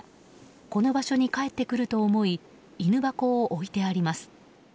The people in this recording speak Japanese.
この場所に帰ってくると思い犬箱を置いてあります。